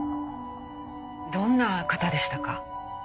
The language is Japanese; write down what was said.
どんな方でしたか？